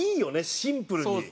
シンプルに。